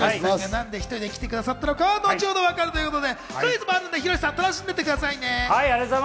何で１人で来てくださったのかは、後ほど分かるということでクイズもあるので、楽しんでいってくださいね。